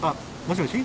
もしもし。